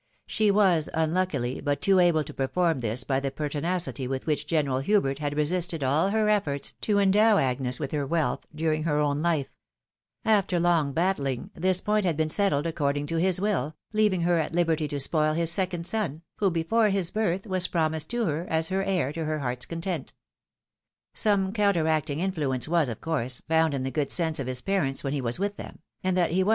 She was, unluckily, but too able to perform this by the pertinacity with which General Hubert had resisted all her efforts to endow Agnes with her wealth during her own life ; after long battUng, this point had been settled according to his will, leaving her at liberty to spoil his second son, who, before his birth, was promised to her as her heir to her heart's content. Some counteracting influence was, of course, found in the good sense of his parents when he was with them ; and that he was.